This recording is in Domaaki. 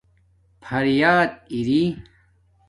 فریات اری